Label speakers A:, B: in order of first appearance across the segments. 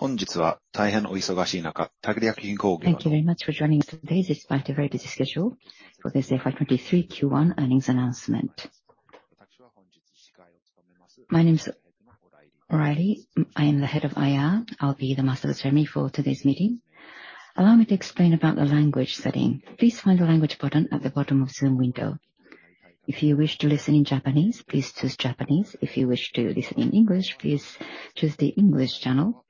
A: Thank you very much for joining us today, despite a very busy schedule, for this FY 2023 Q1 earnings announcement. My name is O'Reilly. I am the head of IR. I'll be the master of ceremony for today's meeting. Allow me to explain about the language setting. Please find the language button at the bottom of Zoom window. If you wish to listen in Japanese, please choose Japanese. If you wish to listen in English, please choose the English channel,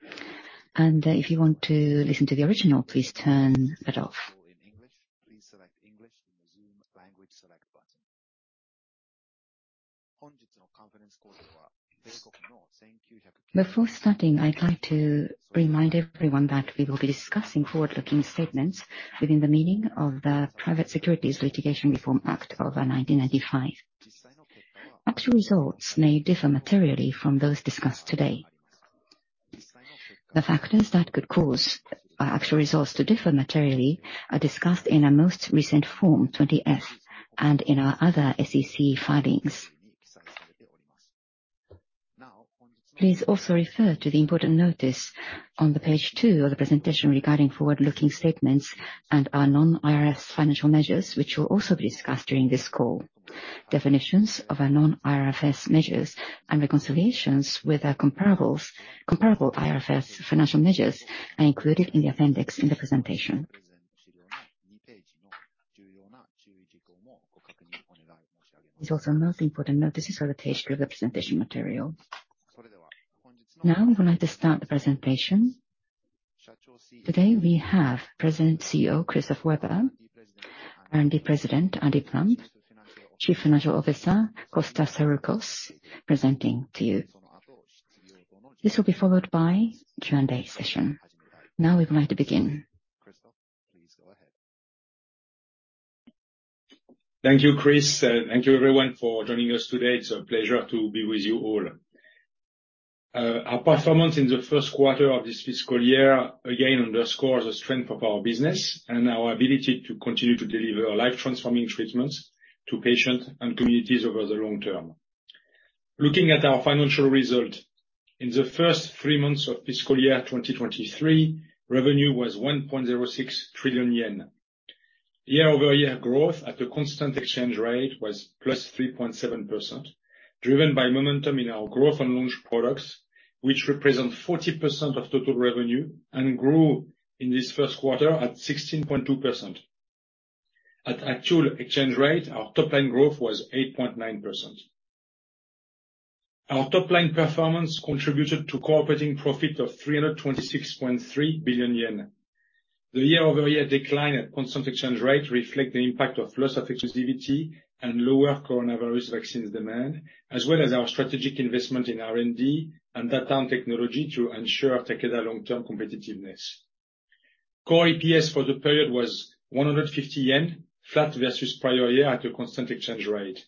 A: and if you want to listen to the original, please turn that off. In English, please select English in the Zoom language select button. Before starting, I'd like to remind everyone that we will be discussing forward-looking statements within the meaning of the Private Securities Litigation Reform Act of 1995. Actual results may differ materially from those discussed today. The factors that could cause our actual results to differ materially are discussed in our most recent Form 20-F and in our other SEC filings. Please also refer to the important notice on the page two of the presentation regarding forward-looking statements and our non-IFRS financial measures, which will also be discussed during this call. Definitions of our non-IFRS measures and reconciliations with our comparable IFRS financial measures are included in the appendix in the presentation. It's also a most important notice is on the page of the presentation material. Now, we would like to start the presentation. Today, we have President CEO, Christophe Weber, R&D President, Andrew Plump, Chief Financial Officer, Costa Saroukos, presenting to you. This will be followed by Q&A session. We're going to begin. Christophe, please go ahead.
B: Thank you, Chris, thank you everyone for joining us today. It's a pleasure to be with you all. Our performance in the first quarter of this fiscal year, again, underscores the strength of our business and our ability to continue to deliver life-transforming treatments to patients and communities over the long term. Looking at our financial result, in the first three months of fiscal year 2023, revenue was 1.06 trillion yen. Year-over-year growth at a constant exchange rate was +3.7%, driven by momentum in our growth and launch products, which represent 40% of total revenue and grew in this first quarter at 16.2%. At actual exchange rate, our top line growth was 8.9%. Our top line performance contributed to core operating profit of 326.3 billion yen. The year-over-year decline at constant exchange rate reflect the impact of loss of exclusivity and lower coronavirus vaccines demand, as well as our strategic investment in R&D and data technology to ensure Takeda long-term competitiveness. Core EPS for the period was 150 yen, flat versus prior year at a constant exchange rate.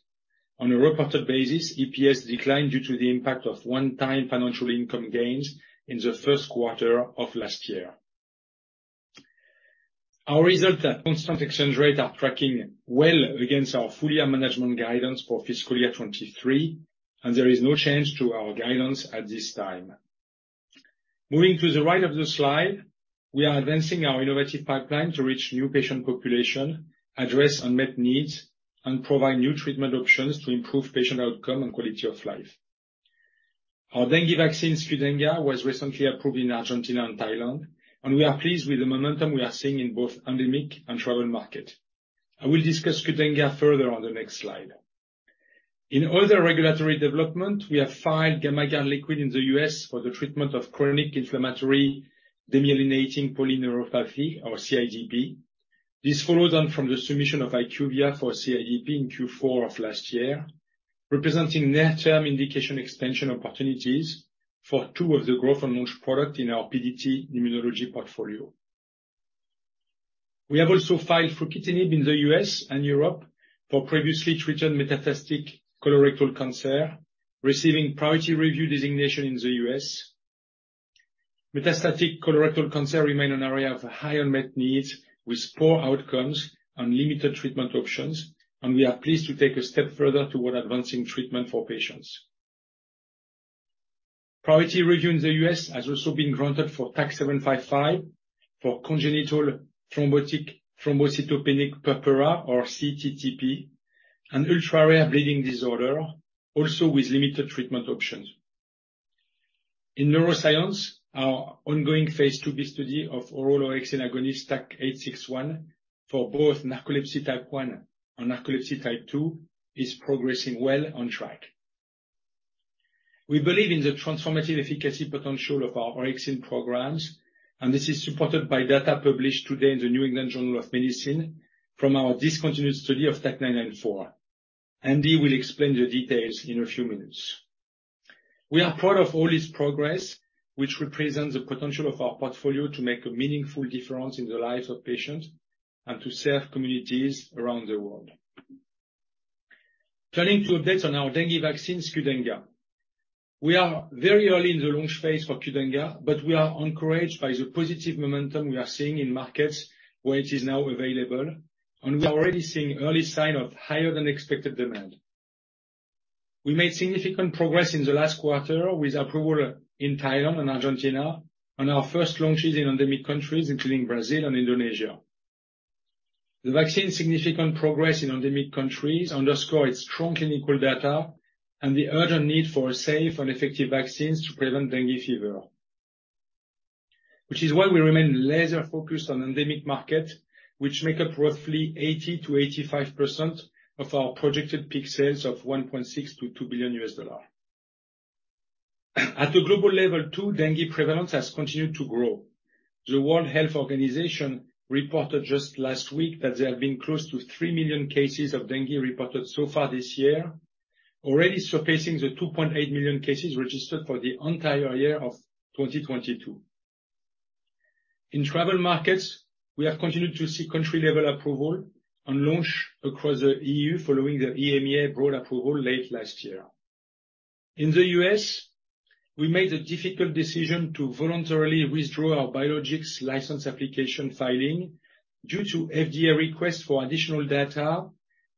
B: On a reported basis, EPS declined due to the impact of one-time financial income gains in the first quarter of last year. Our results at constant exchange rate are tracking well against our full year management guidance for fiscal year 2023, there is no change to our guidance at this time. Moving to the right of the slide, we are advancing our innovative pipeline to reach new patient population, address unmet needs, and provide new treatment options to improve patient outcome and quality of life. Our dengue vaccine, Qdenga, was recently approved in Argentina and Thailand. We are pleased with the momentum we are seeing in both endemic and travel market. I will discuss Qdenga further on the next slide. In other regulatory development, we have filed GAMMAGARD LIQUID in the U.S. for the treatment of chronic inflammatory demyelinating polyneuropathy or CIDP. This follows on from the submission of Hyqvia for CIDP in Q4 of last year, representing near-term indication expansion opportunities for two of the growth and launch product in our PDT immunology portfolio. We have also filed fruquintinib in the U.S. and Europe for previously treated metastatic colorectal cancer, receiving priority review designation in the U.S. Metastatic colorectal cancer remain an area of high unmet needs, with poor outcomes and limited treatment options. We are pleased to take a step further toward advancing treatment for patients. Priority review in the U.S. has also been granted for TAK-755, for congenital thrombotic thrombocytopenic purpura or cTTP, an ultra-rare bleeding disorder, also with limited treatment options. In neuroscience, our ongoing phase II B study of oral orexin agonist TAK-861 for both narcolepsy type 1 and narcolepsy type 2, is progressing well on track. We believe in the transformative efficacy potential of our orexin programs, and this is supported by data published today in The New England Journal of Medicine from our discontinued study of TAK-994. Andy will explain the details in a few minutes. We are proud of all this progress, which represents the potential of our portfolio to make a meaningful difference in the lives of patients and to serve communities around the world. Turning to updates on our dengue vaccine, Qdenga. We are very early in the launch phase for Qdenga, but we are encouraged by the positive momentum we are seeing in markets where it is now available, and we are already seeing early sign of higher than expected demand. We made significant progress in the last quarter with approval in Thailand and Argentina, and our first launches in endemic countries, including Brazil and Indonesia. The vaccine's significant progress in endemic countries underscores strong clinical data and the urgent need for safe and effective vaccines to prevent dengue fever, which is why we remain laser focused on endemic market, which make up roughly 80%-85% of our projected peak sales of $1.6 billion-$2 billion. At a global level, too, dengue prevalence has continued to grow. The World Health Organization reported just last week that there have been close to three million cases of dengue reported so far this year, already surpassing the 2.8 million cases registered for the entire year of 2022. In travel markets, we have continued to see country-level approval and launch across the EU, following the EMA broad approval late last year. In the U.S., we made the difficult decision to voluntarily withdraw our Biologics License Application filing due to FDA request for additional data,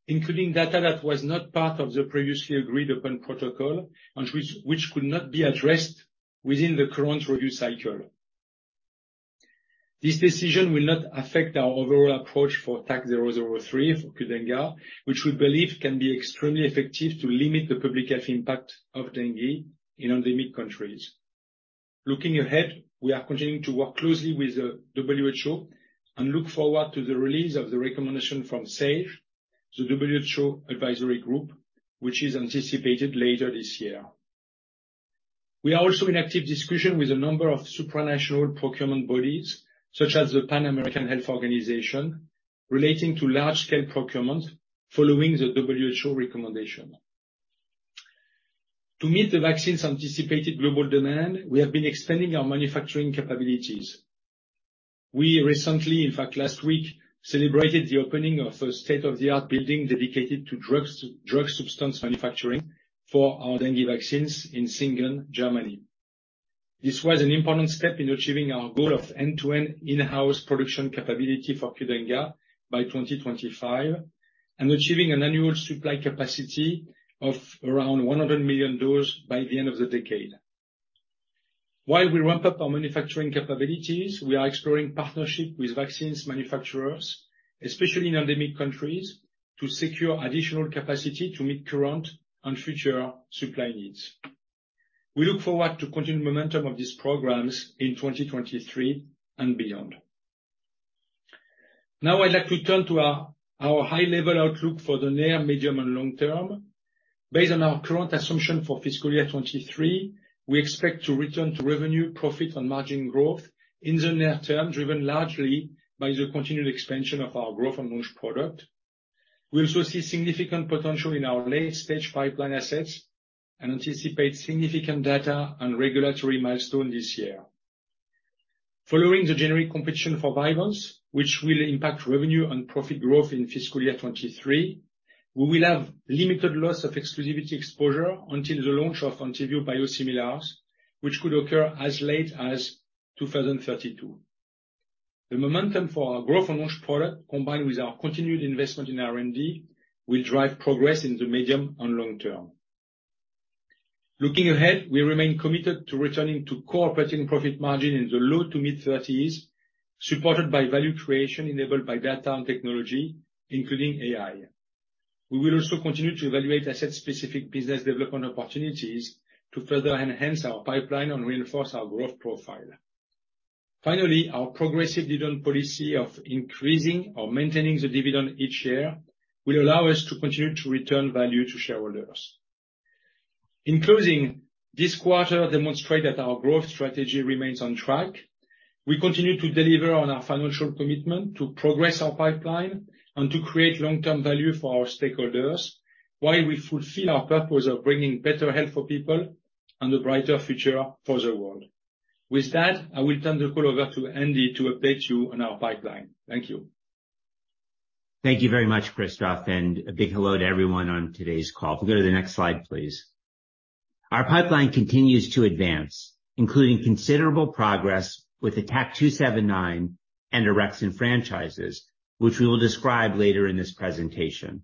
B: including data that was not part of the previously agreed upon protocol, and which could not be addressed within the current review cycle. This decision will not affect our overall approach for TAK-003 or Qdenga, which we believe can be extremely effective to limit the public health impact of dengue in endemic countries. Looking ahead, we are continuing to work closely with the WHO and look forward to the release of the recommendation from SAGE, the WHO advisory group, which is anticipated later this year. We are also in active discussion with a number of supranational procurement bodies, such as the Pan American Health Organization, relating to large-scale procurement following the WHO recommendation. To meet the vaccine's anticipated global demand, we have been expanding our manufacturing capabilities. We recently, in fact, last week, celebrated the opening of a state-of-the-art building dedicated to drugs, drug substance manufacturing for our dengue vaccines in Singen, Germany. This was an important step in achieving our goal of end-to-end in-house production capability for Qdenga by 2025 and achieving an annual supply capacity of around 100 million dose by the end of the decade. While we ramp up our manufacturing capabilities, we are exploring partnership with vaccines manufacturers, especially in endemic countries, to secure additional capacity to meet current and future supply needs. We look forward to continued momentum of these programs in 2023 and beyond. Now, I'd like to turn to our high-level outlook for the near, medium, and long term. Based on our current assumption for fiscal year 2023, we expect to return to revenue, profit, and margin growth in the near term, driven largely by the continued expansion of our growth and launch product. We also see significant potential in our late-stage pipeline assets and anticipate significant data and regulatory milestone this year. Following the generic competition for Vyvanse, which will impact revenue and profit growth in fiscal year 2023, we will have limited loss of exclusivity exposure until the launch of Entyvio biosimilars, which could occur as late as 2032. The momentum for our growth and launch product, combined with our continued investment in R&D, will drive progress in the medium and long term. Looking ahead, we remain committed to returning to core operating profit margin in the low to mid-30s, supported by value creation enabled by data and technology, including AI. We will also continue to evaluate asset-specific business development opportunities to further enhance our pipeline and reinforce our growth profile. Finally, our progressive dividend policy of increasing or maintaining the dividend each year will allow us to continue to return value to shareholders. In closing, this quarter demonstrated that our growth strategy remains on track. We continue to deliver on our financial commitment to progress our pipeline and to create long-term value for our stakeholders, while we fulfill our purpose of bringing better health for people and a brighter future for the world. With that, I will turn the call over to Andy to update you on our pipeline. Thank you.
C: Thank you very much, Christophe, and a big hello to everyone on today's call. If we go to the next slide, please. Our pipeline continues to advance, including considerable progress with the TAK-279 and Orexin franchises, which we will describe later in this presentation.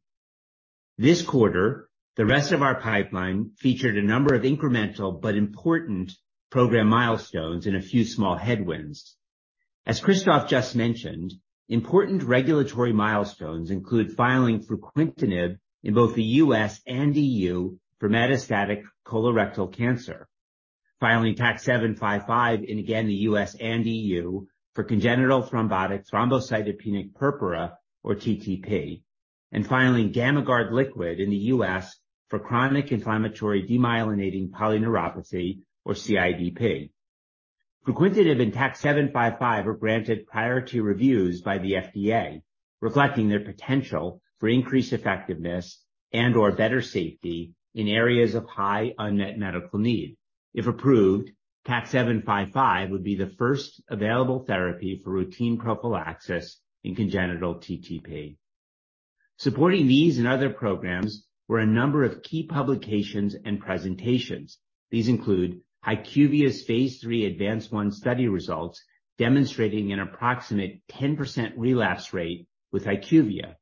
C: This quarter, the rest of our pipeline featured a number of incremental but important program milestones and a few small headwinds. As Christophe just mentioned, important regulatory milestones include filing for fruquintinib in both the U.S. and E.U. for metastatic colorectal cancer, filing TAK-755 in, again, the U.S. and E.U. for congenital thrombotic thrombocytopenic purpura or TTP, and filing GAMMAGARD LIQUID in the U.S. for chronic inflammatory demyelinating polyneuropathy, or CIDP. fruquintinib and TAK-755 are granted priority reviews by the FDA, reflecting their potential for increased effectiveness and/or better safety in areas of high unmet medical need. If approved, TAK-755 would be the first available therapy for routine prophylaxis in congenital TTP. Supporting these and other programs were a number of key publications and presentations. These include Hyqvia's phase III ADVANCE-1 study results, demonstrating an approximate 10% relapse rate with Hyqvia.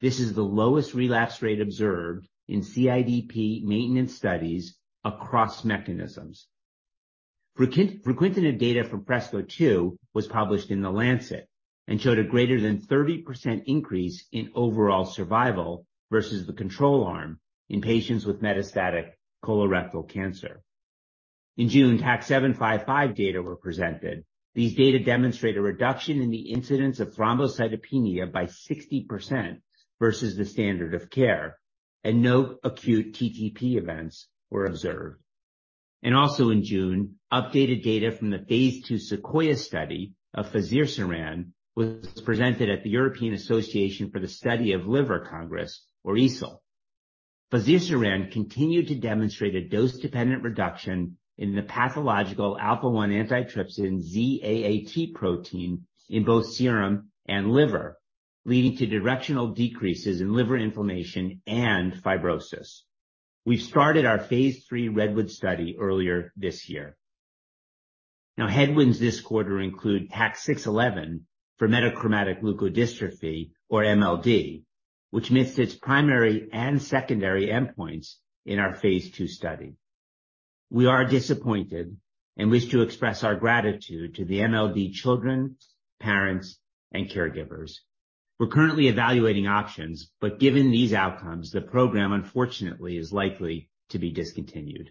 C: This is the lowest relapse rate observed in CIDP maintenance studies across mechanisms. fruquintinib data from FRESCO-2 was published in The Lancet and showed a greater than 30% increase in overall survival versus the control arm in patients with metastatic colorectal cancer. In June, TAK-755 data were presented. These data demonstrate a reduction in the incidence of thrombocytopenia by 60% versus the standard of care, and no acute TTP events were observed. Also in June, updated data from the phase II Sequoia study of fazirsiran was presented at the European Association for the Study of the Liver Congress, or EASL. Fazirsiran continued to demonstrate a dose-dependent reduction in the pathological alpha-1 antitrypsin Z AAT protein in both serum and liver, leading to directional decreases in liver inflammation and fibrosis. We've started our phase III Redwood study earlier this year. Headwinds this quarter include TAK-611 for metachromatic leukodystrophy, or MLD, which missed its primary and secondary endpoints in our phase II study. We are disappointed and wish to express our gratitude to the MLD children, parents, and caregivers. We're currently evaluating options, given these outcomes, the program unfortunately is likely to be discontinued.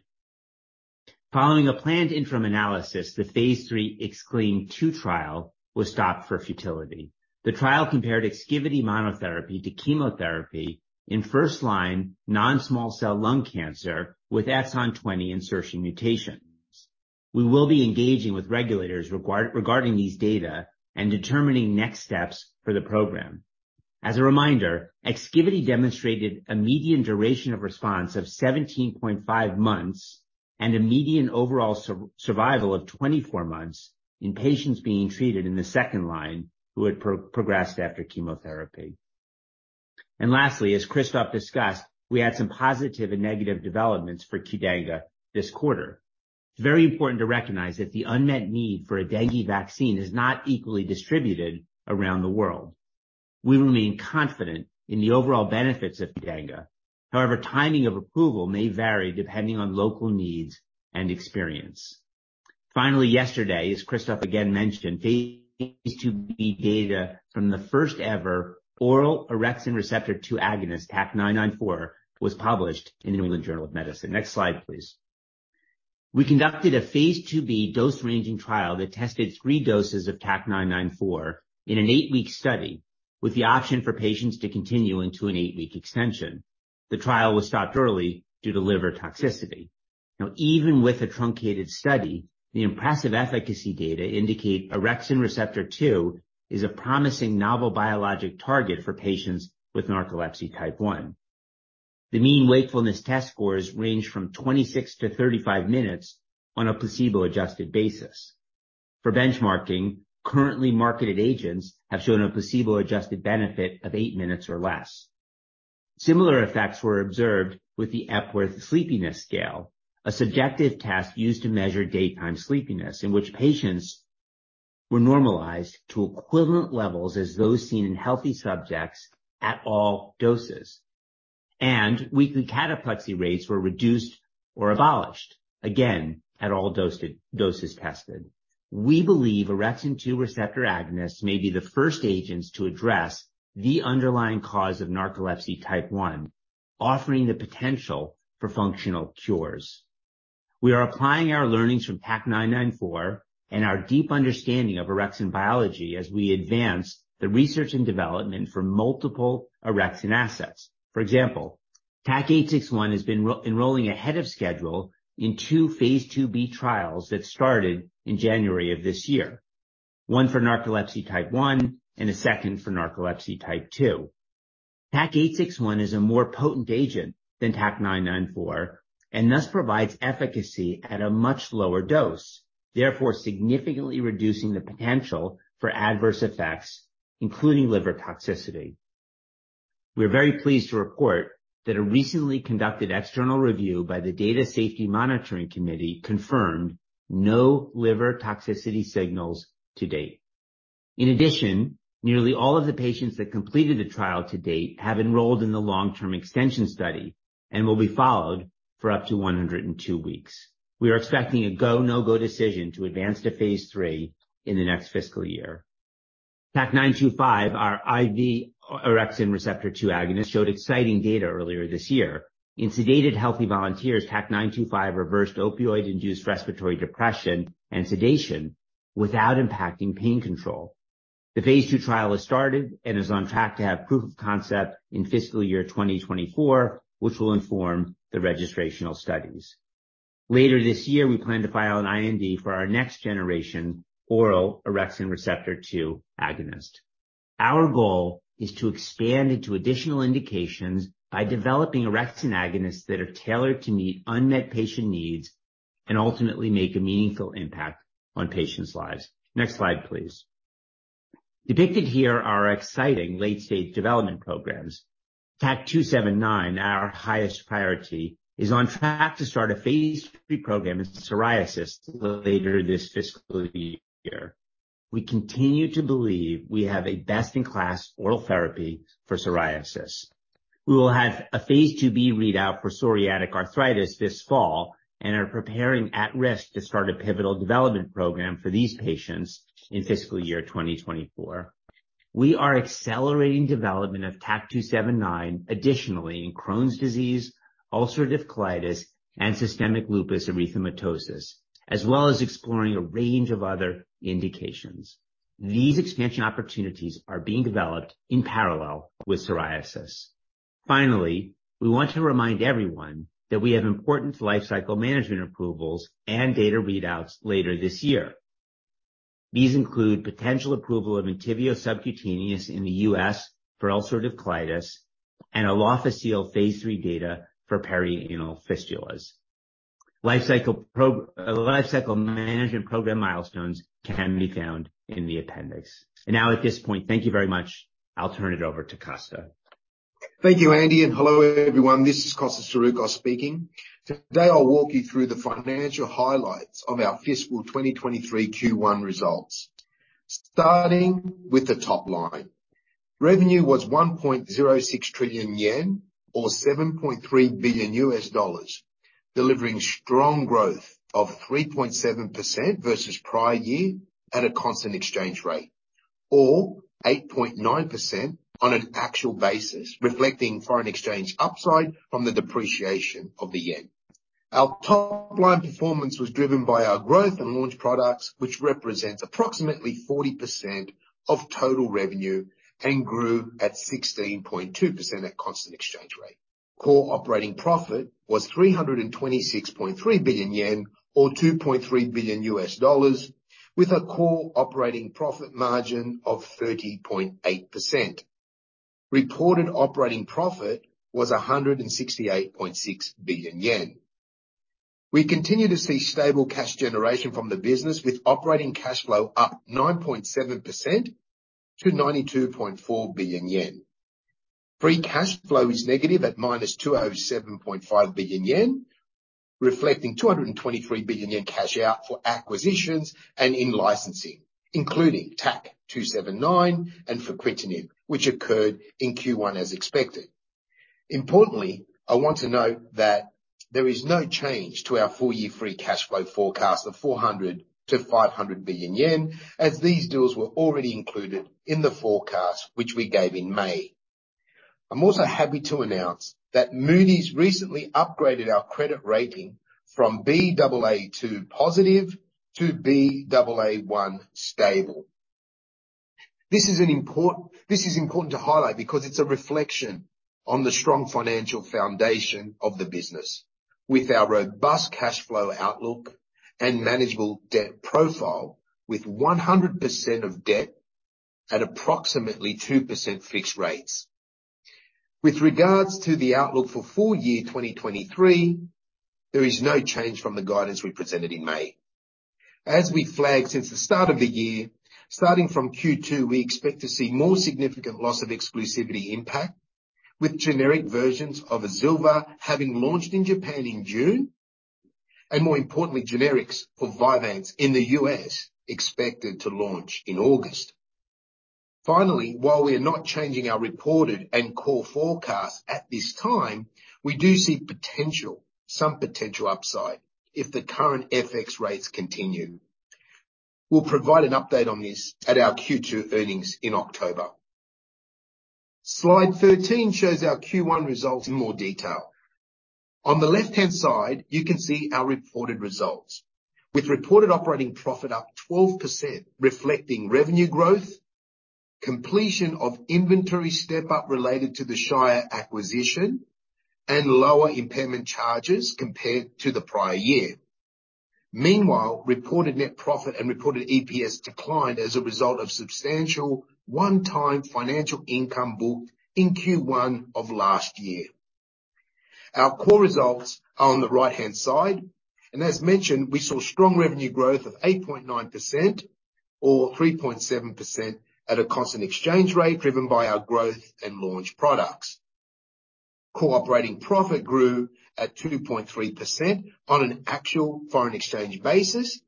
C: Following a planned interim analysis, the phase III EXCLAIM-2 trial was stopped for futility. The trial compared Exkivity monotherapy to chemotherapy in first-line non-small cell lung cancer with exon 20 insertion mutations. We will be engaging with regulators regarding these data and determining next steps for the program. As a reminder, Exkivity demonstrated a median duration of response of 17.5 months and a median overall survival of 24 months in patients being treated in the second line who had progressed after chemotherapy. Lastly, as Christophe discussed, we had some positive and negative developments for Qdenga this quarter. It's very important to recognize that the unmet need for a dengue vaccine is not equally distributed around the world. We remain confident in the overall benefits of Qdenga. However, timing of approval may vary depending on local needs and experience. Yesterday, as Christoph again mentioned, phase II B data from the first-ever oral orexin receptor 2 agonist, TAK-994, was published in The New England Journal of Medicine. Next slide, please. We conducted a phase II B dose-ranging trial that tested 3 doses of TAK-994 in an 8-week study, with the option for patients to continue into an 8-week extension. The trial was stopped early due to liver toxicity. Even with a truncated study, the impressive efficacy data indicate orexin receptor 2 is a promising novel biologic target for patients with narcolepsy type 1. The mean wakefulness test scores range from 26 to 35 minutes on a placebo-adjusted basis. For benchmarking, currently marketed agents have shown a placebo-adjusted benefit of eight minutes or less. Similar effects were observed with the Epworth Sleepiness Scale, a subjective test used to measure daytime sleepiness, in which patients were normalized to equivalent levels as those seen in healthy subjects at all doses, and weekly cataplexy rates were reduced or abolished, again, at all doses tested. We believe orexin 2 receptor agonists may be the first agents to address the underlying cause of narcolepsy type 1, offering the potential for functional cures. We are applying our learnings from TAK-994 and our deep understanding of orexin biology as we advance the research and development for multiple orexin assets. For example, TAK-861 has been enrolling ahead of schedule in two phase II b trials that started in January of this year, one for narcolepsy type 1 and a second for narcolepsy type 2. TAK-861 is a more potent agent than TAK-994 and thus provides efficacy at a much lower dose, therefore significantly reducing the potential for adverse effects, including liver toxicity. We are very pleased to report that a recently conducted external review by the Data Safety Monitoring Committee confirmed no liver toxicity signals to date. In addition, nearly all of the patients that completed the trial to date have enrolled in the long-term extension study and will be followed for up to 102 weeks. We are expecting a go, no-go decision to advance to phase III in the next fiscal year. TAK-925, our IV orexin receptor 2 agonist, showed exciting data earlier this year. In sedated, healthy volunteers, TAK-925 reversed opioid-induced respiratory depression and sedation without impacting pain control. The phase 2 trial has started and is on track to have proof of concept in fiscal year 2024, which will inform the registrational studies. Later this year, we plan to file an IND for our next-generation oral orexin receptor 2 agonist. Our goal is to expand into additional indications by developing orexin agonists that are tailored to meet unmet patient needs and ultimately make a meaningful impact on patients' lives. Next slide, please. Depicted here are exciting late-stage development programs. TAK-279, our highest priority, is on track to start a phase III program in psoriasis later this fiscal year. We continue to believe we have a best-in-class oral therapy for psoriasis. We will have a phase II B readout for psoriatic arthritis this fall, and are preparing at-risk to start a pivotal development program for these patients in fiscal year 2024. We are accelerating development of TAK-279, additionally, in Crohn's disease, ulcerative colitis, and systemic lupus erythematosus, as well as exploring a range of other indications. These expansion opportunities are being developed in parallel with psoriasis. Finally, we want to remind everyone that we have important life cycle management approvals and data readouts later this year. These include potential approval of Entyvio subcutaneous in the U.S. for ulcerative colitis and Alofisel phase III data for perianal fistulas. Life cycle management program milestones can be found in the appendix. Now, at this point, thank you very much. I'll turn it over to Costa.
D: Thank you, Andy, and hello, everyone. This is Costa Saroukos speaking. Today, I'll walk you through the financial highlights of our fiscal 2023 Q1 results. Starting with the top line. Revenue was 1.06 trillion yen, or $7.3 billion, delivering strong growth of 3.7% versus prior year at a constant exchange rate, or 8.9% on an actual basis, reflecting foreign exchange upside from the depreciation of the Yen. Our top line performance was driven by our growth in launch products, which represents approximately 40% of total revenue and grew at 16.2% at constant exchange rate. Core operating profit was 326.3 billion yen, or $2.3 billion, with a core operating profit margin of 30.8%. Reported operating profit was 168.6 billion yen. We continue to see stable cash generation from the business, with operating cash flow up 9.7% to 92.4 billion yen. Free cash flow is negative at minus 207.5 billion yen, reflecting 223 billion yen cash out for acquisitions and in licensing, including TAK-279 and fruquintinib, which occurred in Q1 as expected. Importantly, I want to note that there is no change to our full-year free cash flow forecast of 400 billion-500 billion yen, as these deals were already included in the forecast, which we gave in May. I'm also happy to announce that Moody's recently upgraded our credit rating from Baa2 positive to Baa1 stable. This is important to highlight because it's a reflection on the strong financial foundation of the business with our robust cash flow outlook and manageable debt profile, with 100% of debt at approximately 2% fixed rates. With regards to the outlook for full year 2023, there is no change from the guidance we presented in May. We flagged since the start of the year, starting from Q2, we expect to see more significant loss of exclusivity impact, with generic versions of AZILVA having launched in Japan in June, and more importantly, generics for VYVANSE in the U.S. expected to launch in August. While we are not changing our reported and core forecast at this time, we do see potential upside if the current FX rates continue. We'll provide an update on this at our Q2 earnings in October. Slide 13 shows our Q1 results in more detail. On the left-hand side, you can see our reported results, with reported operating profit up 12%, reflecting revenue growth, completion of inventory step-up related to the Shire acquisition, and lower impairment charges compared to the prior year. Meanwhile, reported net profit and reported EPS declined as a result of substantial one time financial income booked in Q1 of last year. Our core results are on the right-hand side, and as mentioned, we saw strong revenue growth of 8.9% or 3.7% at a constant exchange rate, driven by our growth and launch products. Core operating profit grew at 2.3% on an actual foreign exchange basis,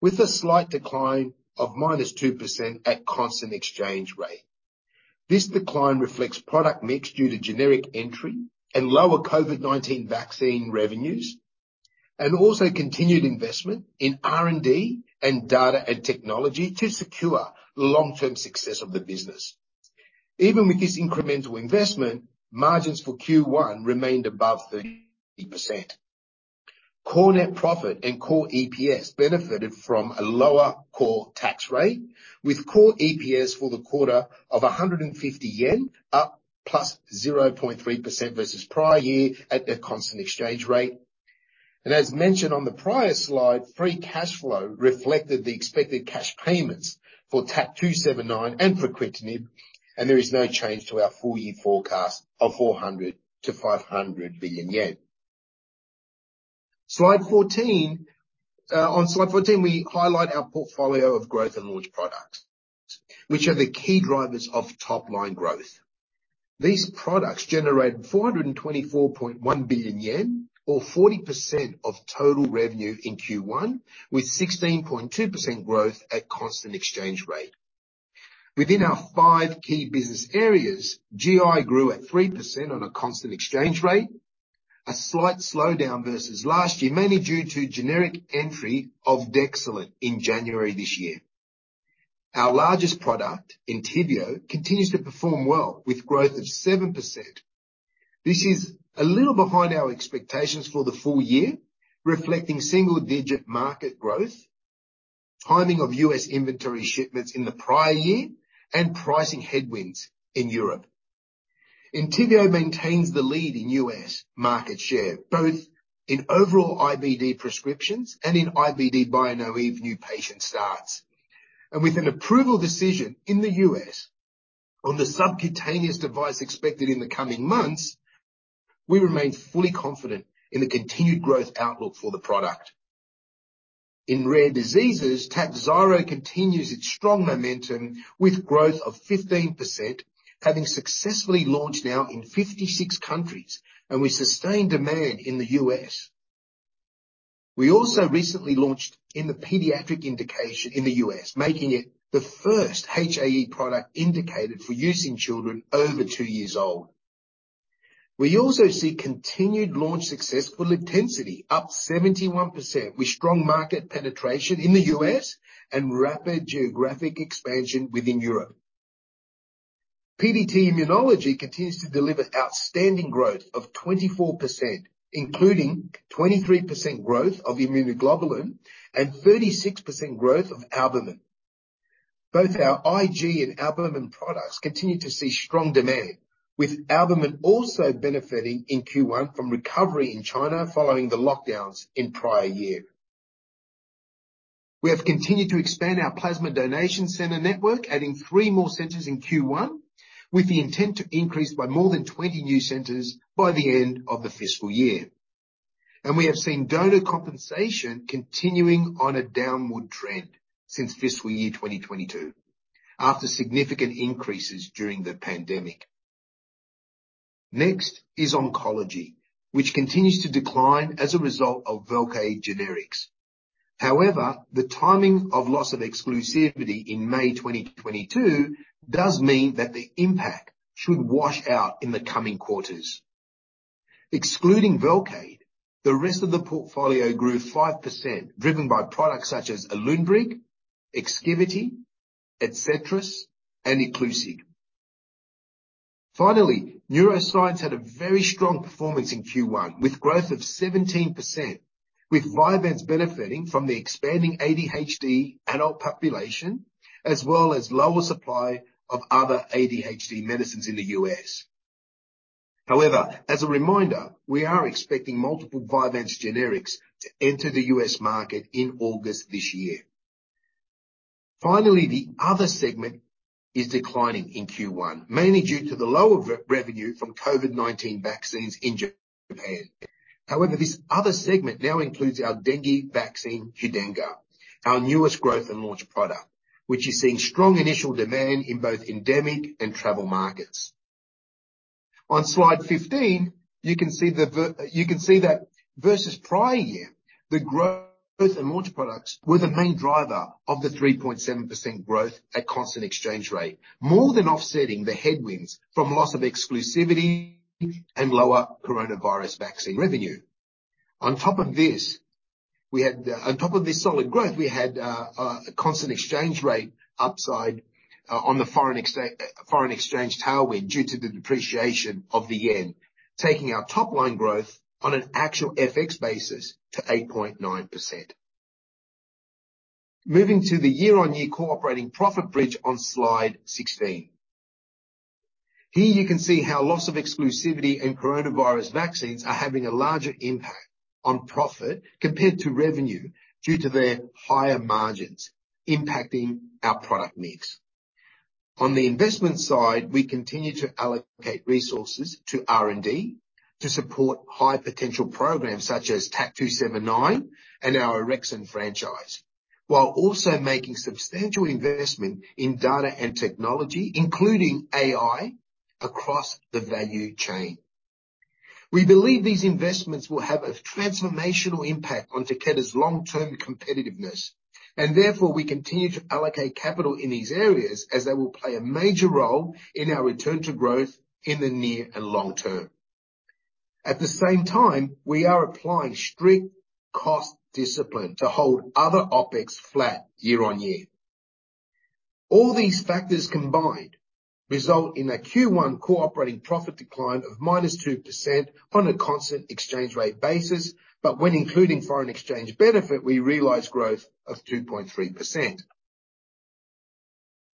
D: with a slight decline of -2% at constant exchange rate. This decline reflects product mix due to generic entry and lower COVID-19 vaccine revenues, also continued investment in R&D and data and technology to secure long-term success of the business. Even with this incremental investment, margins for Q1 remained above 30%. Core net profit and core EPS benefited from a lower core tax rate, with core EPS for the quarter of 150 yen, up +0.3% versus prior year at a constant exchange rate. As mentioned on the prior slide, free cash flow reflected the expected cash payments for TAK-279 and for fruquintinib, there is no change to our full year forecast of 400 billion-500 billion yen. Slide 14. On slide 14, we highlight our portfolio of growth and launch products, which are the key drivers of top-line growth. These products generated 424.1 billion yen, or 40% of total revenue in Q1, with 16.2% growth at constant exchange rate. Within our five key business areas, GI grew at 3% on a constant exchange rate, a slight slowdown versus last year, mainly due to generic entry of Dexilant in January this year. Our largest product, Entyvio, continues to perform well, with growth of 7%. This is a little behind our expectations for the full year, reflecting single-digit market growth, timing of U.S. inventory shipments in the prior year, and pricing headwinds in Europe. Entyvio maintains the lead in U.S. market share, both in overall IBD prescriptions and in IBD bio-naïve new patient starts. With an approval decision in the U.S. on the subcutaneous device expected in the coming months, we remain fully confident in the continued growth outlook for the product. In rare diseases, Takhzyro continues its strong momentum, with growth of 15%, having successfully launched now in 56 countries and with sustained demand in the U.S. We also recently launched in the pediatric indication in the U.S., making it the first HAE product indicated for use in children over two years old. We also see continued launch success for Livtencity, up 71%, with strong market penetration in the U.S. and rapid geographic expansion within Europe. PDT Immunology continues to deliver outstanding growth of 24%, including 23% growth of immunoglobulin and 36% growth of albumin. Both our IG and albumin products continue to see strong demand, with albumin also benefiting in Q1 from recovery in China following the lockdowns in prior year. We have continued to expand our plasma donation center network, adding three more centers in Q1, with the intent to increase by more than 20 new centers by the end of the fiscal year. We have seen donor compensation continuing on a downward trend since fiscal year 2022, after significant increases during the pandemic. Next is oncology, which continues to decline as a result of Velcade generics. However, the timing of loss of exclusivity in May 2022 does mean that the impact should wash out in the coming quarters. Excluding Velcade, the rest of the portfolio grew 5%, driven by products such as Alunbrig, Exkivity, etcetera, and Iclusig. Finally, neuroscience had a very strong performance in Q1, with growth of 17%, with Vyvanse benefiting from the expanding ADHD adult population, as well as lower supply of other ADHD medicines in the US. as a reminder, we are expecting multiple Vyvanse generics to enter the US market in August this year. the other segment is declining in Q1, mainly due to the lower revenue from COVID-19 vaccines in Japan. this other segment now includes our dengue vaccine, Qdenga, our newest growth and launch product, which is seeing strong initial demand in both endemic and travel markets. On slide 15, you can see that versus prior year, the growth and launch products were the main driver of the 3.7% growth at constant exchange rate, more than offsetting the headwinds from loss of exclusivity and lower coronavirus vaccine revenue. On top of this solid growth, we had a constant exchange rate upside on the foreign exchange tailwind, due to the depreciation of the Yen, taking our top line growth on an actual FX basis to 8.9%. Moving to the year-on-year core operating profit bridge on slide 16. Here you can see how loss of exclusivity and coronavirus vaccines are having a larger impact on profit compared to revenue, due to their higher margins impacting our product mix. On the investment side, we continue to allocate resources to R&D to support high potential programs such as TAK-279 and our Orexin franchise, while also making substantial investment in data and technology, including AI, across the value chain. We believe these investments will have a transformational impact on Takeda's long-term competitiveness, and therefore, we continue to allocate capital in these areas as they will play a major role in our return to growth in the near and long term. At the same time, we are applying strict cost discipline to hold other OpEx flat year-on-year. All these factors combined result in a Q1 core operating profit decline of -2% on a constant exchange rate basis, but when including foreign exchange benefit, we realize growth of 2.3%.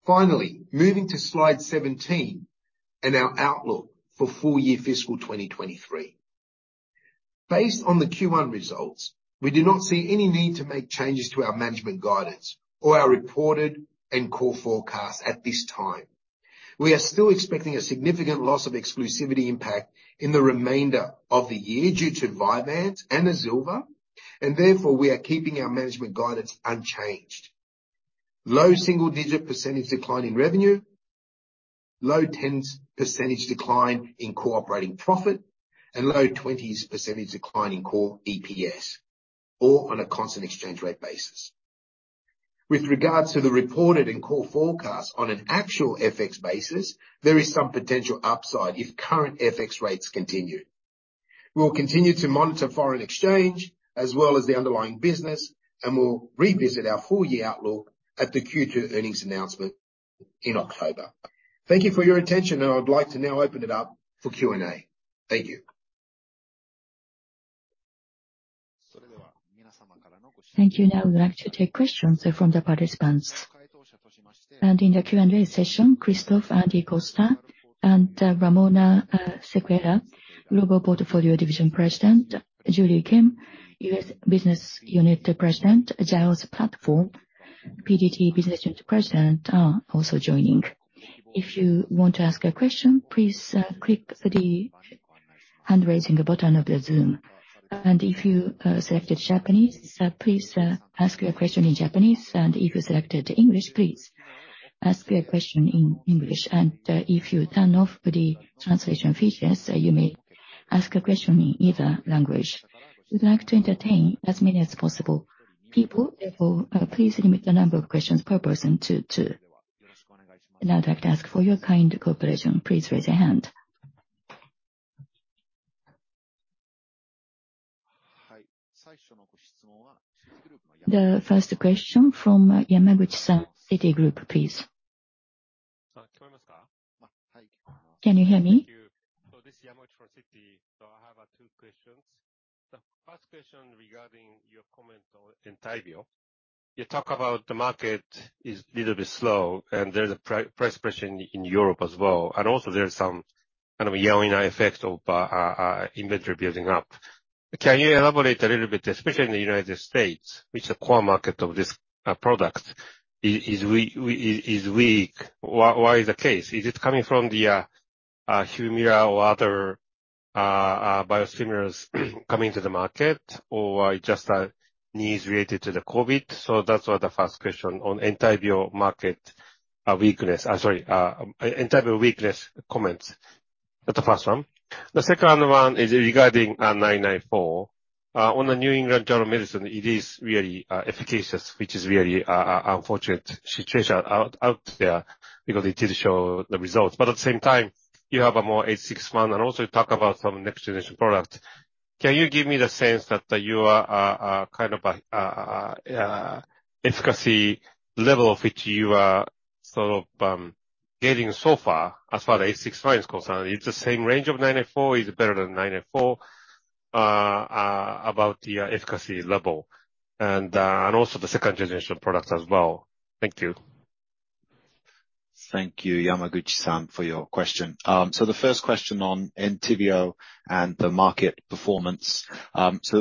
D: Finally, moving to slide 17, and our outlook for full year fiscal 2023. Based on the Q1 results, we do not see any need to make changes to our management guidance or our reported and core forecasts at this time. We are still expecting a significant loss of exclusivity impact in the remainder of the year due to Vyvanse and Azilva, and therefore, we are keeping our management guidance unchanged. Low single-digit % decline in revenue. low tens % decline in core operating profit and low twenties % decline in core EPS, all on a constant exchange rate basis. With regard to the reported and core forecast on an actual FX basis, there is some potential upside if current FX rates continue. We'll continue to monitor foreign exchange as well as the underlying business, and we'll revisit our full year outlook at the Q2 earnings announcement in October. Thank you for your attention, and I would like to now open it up for Q&A. Thank you.
E: Thank you. In the Q&A session, Christophe, Andy, Costa, and Ramona Sequeira, Global Portfolio Division President, Julie Kim, U.S. Business Unit President, Giles Platford, PDT Business Unit President, are also joining. If you want to ask a question, please click the hand-raising button of the Zoom. If you selected Japanese, please ask your question in Japanese, and if you selected English, please ask your question in English. If you turn off the translation features, you may ask a question in either language. We'd like to entertain as many as possible people, therefore, please limit the number of questions per person to two. I'd like to ask for your kind cooperation. Please raise your hand. The first question from Yamaguchi-san, Citigroup, please. Can you hear me?
F: Thank you. This is Yamaguchi from Citi. I have two questions. The first question regarding your comment on Entyvio. You talk about the market is little bit slow, and there's a price pressure in Europe as well, and also there's some kind of a yelling effect of inventory building up. Can you elaborate a little bit, especially in the United States, which is the core market of this product, is weak, why is the case? Is it coming from the Humira or other biosimilars coming to the market, or just needs related to the COVID? That's all the first question on Entyvio market weakness. Sorry, Entyvio weakness comments. That's the first one. The second one is regarding 994. On The New England Journal of Medicine, it is really efficacious, which is really unfortunate situation out there, because it did show the results. At the same time, you have a more TAK-861, and also you talk about some next generation product. Can you give me the sense that you are efficacy level of which you are sort of getting so far, as far as TAK-861 is concerned? Is it the same range of TAK-994? Is it better than TAK-994? About the efficacy level and also the second generation product as well. Thank you.
A: Thank you, Yamaguchi-san, for your question. The first question on Entyvio and the market performance.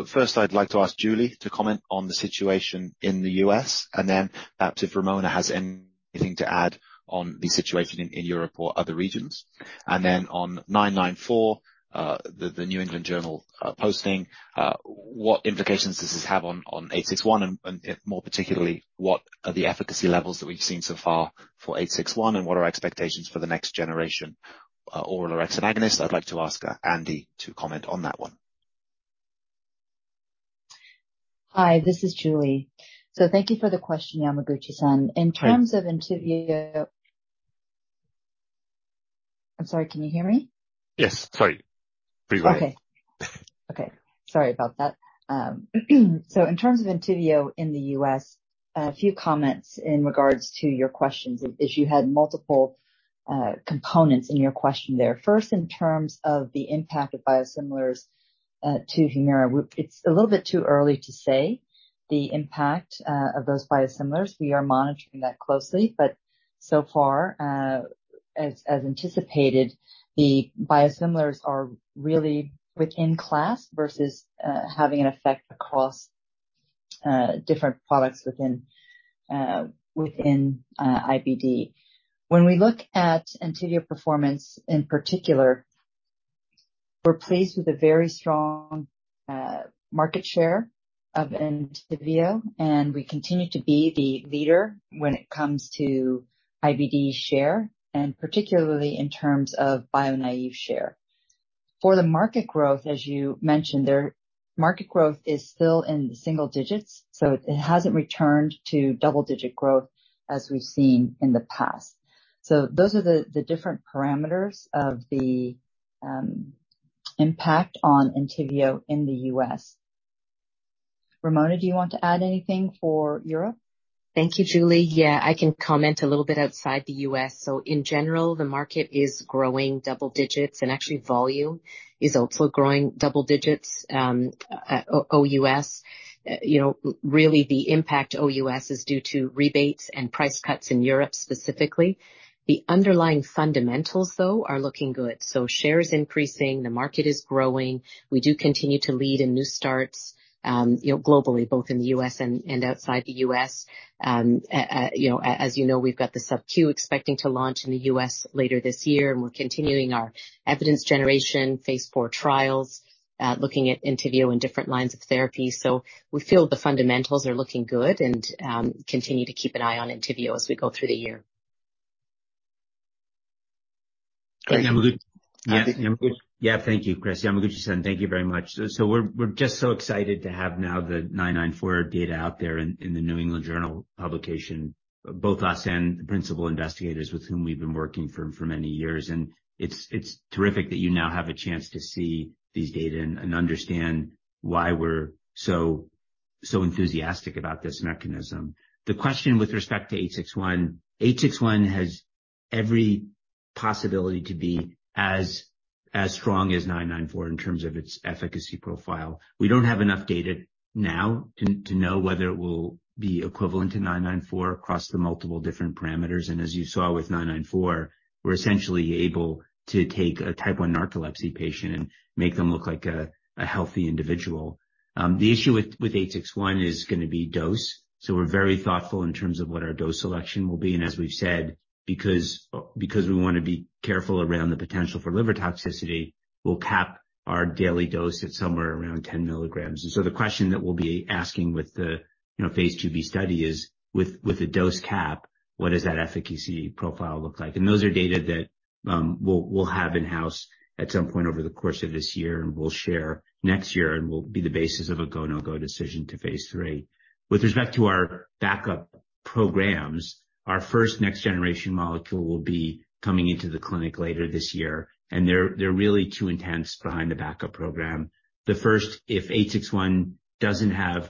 A: First I'd like to ask Julie to comment on the situation in the U.S., and then perhaps if Ramona has anything to add on the situation in Europe or other regions. On TAK-994, The New England Journal posting, what implications does this have on TAK-861? More particularly, what are the efficacy levels that we've seen so far for TAK-861, and what are our expectations for the next generation, oral orexin agonist? I'd like to ask Andy to comment on that one.
G: Hi, this is Julie. Thank you for the question, Yamaguchi-san. In terms of Entyvio... I'm sorry, can you hear me?
F: Yes. Sorry. Please go ahead.
G: Okay, sorry about that. In terms of Entyvio in the U.S., a few comments in regards to your questions, as you had multiple components in your question there. First, in terms of the impact of biosimilars to Humira, it's a little bit too early to say the impact of those biosimilars. We are monitoring that closely. So far, as anticipated, the biosimilars are really within class versus having an effect across different products within IBD. When we look at Entyvio performance in particular, we're pleased with the very strong market share of Entyvio, and we continue to be the leader when it comes to IBD share, and particularly in terms of bio-naïve share. For the market growth, as you mentioned, their market growth is still in the single digits, it hasn't returned to double digit growth as we've seen in the past. Those are the different parameters of the impact on Entyvio in the U.S.. Ramona, do you want to add anything for Europe?
H: Thank you, Julie. Yeah, I can comment a little bit outside the U.S.. In general, the market is growing double digits, and actually volume is also growing double digits. OUS, you know, really the impact OUS is due to rebates and price cuts in Europe, specifically. The underlying fundamentals, though, are looking good. Shares increasing, the market is growing. We do continue to lead in new starts, you know, globally, both in the U.S. and outside the U.S.. As you know, we've got the subQ expecting to launch in the US later this year, and we're continuing our evidence generation Phase 4 trials, looking at Entyvio in different lines of therapy. We feel the fundamentals are looking good and continue to keep an eye on Entyvio as we go through the year.
C: Yamaguchi. Thank you, Chris. Yamaguchi-san, thank you very much. We're just so excited to have now the TAK-994 data out there in The New England Journal publication, both us and the principal investigators with whom we've been working for many years. It's terrific that you now have a chance to see these data and understand why we're so enthusiastic about this mechanism. The question with respect to TAK-861. TAK-861 has every possibility to be as strong as TAK-994 in terms of its efficacy profile. We don't have enough data now to know whether it will be equivalent to TAK-994 across the multiple different parameters. As you saw with TAK-994, we're essentially able to take a narcolepsy type 1 patient and make them look like a healthy individual. The issue with TAK-861 is gonna be dose. We're very thoughtful in terms of what our dose selection will be, and as we've said, because we want to be careful around the potential for liver toxicity, we'll cap our daily dose at somewhere around ten milligrams. The question that we'll be asking with the, you know, phase II B study is: With the dose cap, what does that efficacy profile look like? Those are data that we'll have in-house at some point over the course of this year, and we'll share next year, and will be the basis of a go, no-go decision to phase III. With respect to our backup programs, our first next-generation molecule will be coming into the clinic later this year, and they're really two intents behind the backup program. The first, if TAK-861 doesn't have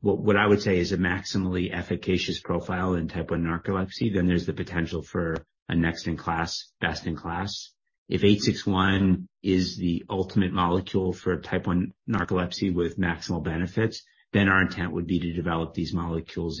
C: what I would say is a maximally efficacious profile in narcolepsy type 1, then there's the potential for a next in class, best in class. If TAK-861 is the ultimate molecule for narcolepsy type 1 with maximal benefits, then our intent would be to develop these molecules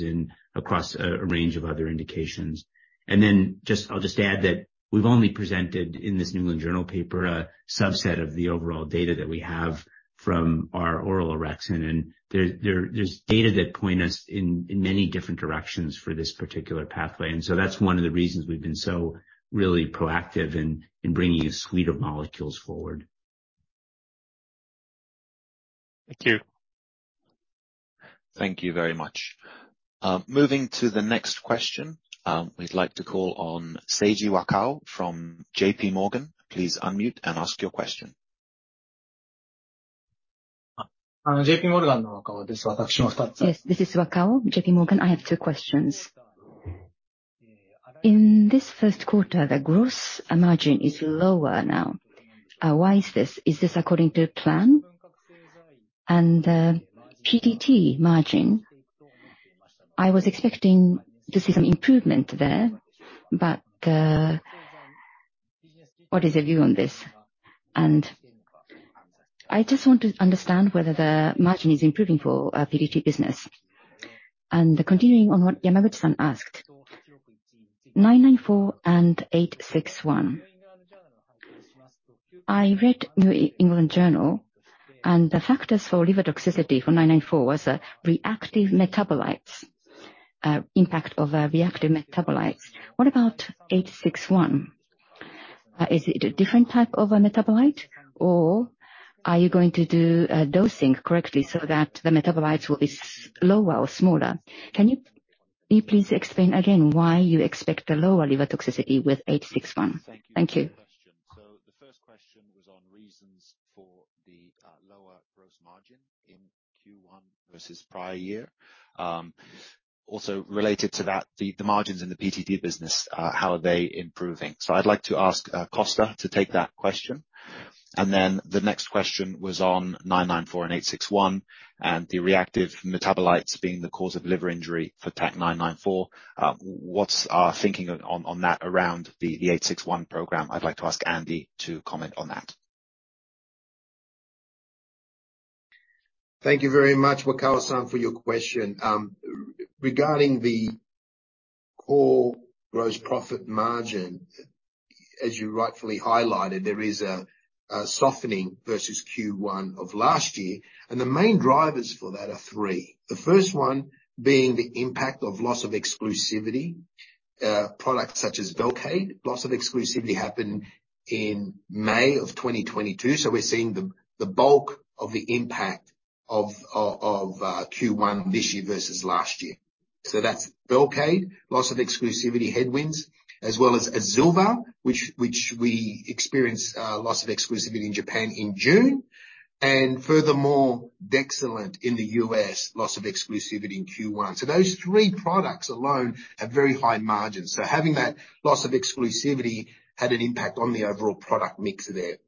C: across a range of other indications. I'll just add that we've only presented, in this New England Journal paper, a subset of the overall data that we have from our oral orexin, there's data that point us in many different directions for this particular pathway, that's one of the reasons we've been so really proactive in bringing a suite of molecules forward.
F: Thank you.
A: Thank you very much. Moving to the next question, we'd like to call on Seiji Wakao from JP Morgan. Please unmute and ask your question.
I: JPMorgan, Wakao. Yes, this is Wakao, JPMorgan. I have two questions. In this first quarter, the gross margin is lower now. Why is this? Is this according to plan? PDT margin, I was expecting to see some improvement there, what is your view on this? I just want to understand whether the margin is improving for PDT business. Continuing on what Yamaguchi-san asked, 994 and 861. I read New England Journal, the factors for liver toxicity for 994 was a reactive metabolites, impact of a reactive metabolites. What about 861? Is it a different type of a metabolite, or are you going to do a dosing correctly so that the metabolites will be lower or smaller? Can you please explain again why you expect a lower liver toxicity with TAK-861? Thank you.
A: Thank you for the question. The first question was on reasons for the lower gross margin in Q1 versus prior year. Also related to that, the margins in the PDT business, how are they improving? I'd like to ask Costa to take that question. The next question was on 994 and 861, and the reactive metabolites being the cause of liver injury for TAK 994. What's our thinking on that around the 861 program? I'd like to ask Andy to comment on that.
D: Thank you very much, Wakao-san, for your question. Regarding the core gross profit margin, as you rightfully highlighted, there is a softening versus Q1 of last year, the main drivers for that are three. The first one being the impact of loss of exclusivity. Products such as Velcade. Loss of exclusivity happened in May of 2022, we're seeing the bulk of the impact of Q1 this year versus last year. That's Velcade, loss of exclusivity headwinds, as well as Azilva, which we experienced a loss of exclusivity in Japan in June. Furthermore, Dexilant in the U.S., loss of exclusivity in Q1. Those three products alone have very high margins. Having that loss of exclusivity had an impact on the overall product mix there.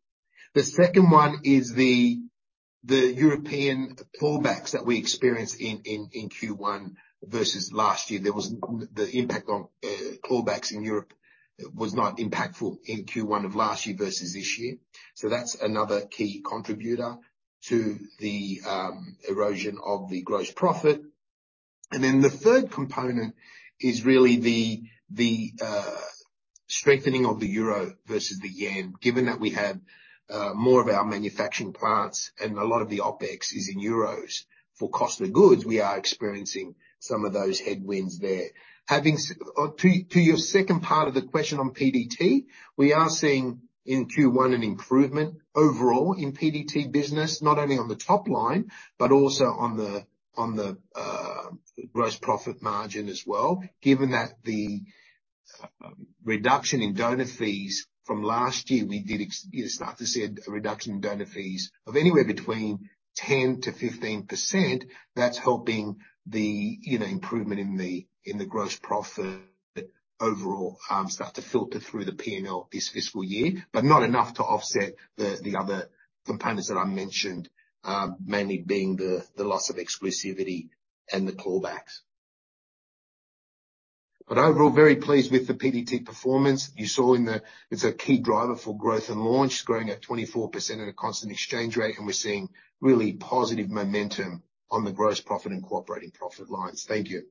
D: The second one is the European pullbacks that we experienced in Q1 versus last year. The impact on pullbacks in Europe was not impactful in Q1 of last year versus this year. That's another key contributor to the erosion of the gross profit. The third component is really the strengthening of the euro versus the yen. Given that we have more of our manufacturing plants and a lot of the OpEx is in euros for cost of goods, we are experiencing some of those headwinds there. Having to your second part of the question on PDT, we are seeing in Q1 an improvement overall in PDT business, not only on the top line, but also on the. on the gross profit margin as well, given that the reduction in donor fees from last year, we did you know, start to see a reduction in donor fees of anywhere between 10%-15%. That's helping the, you know, improvement in the, in the gross profit overall, start to filter through the PNL this fiscal year, but not enough to offset the other components that I mentioned, mainly being the loss of exclusivity and the clawbacks. Overall, very pleased with the PDT performance. it's a key driver for growth and launch, growing at 24% at a constant exchange rate, and we're seeing really positive momentum on the gross profit and core operating profit lines. Thank you.